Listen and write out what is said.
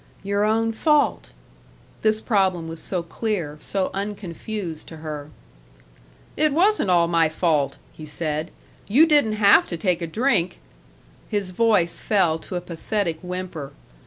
"Your own fault." This problem was so clear, so unconfused to her. "It wasn't all my fault," he said. "You didn't have to take a drink." His voice fell to a pathetic whimper.